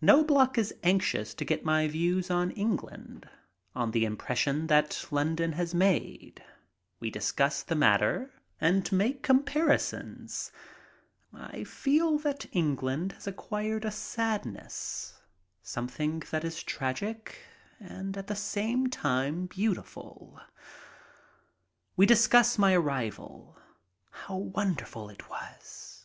Knobloch is anxious to get my views on England, on the impression that London has made. We discuss the matter 64 MY TRIP ABROAD and make comparisons. I feel that England has acquired a sadness, something that is tragic and at the same time beautiful. We discuss my arrival. How wonderful it was.